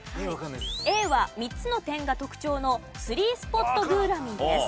Ａは３つの点が特徴のスリースポットグーラミィです。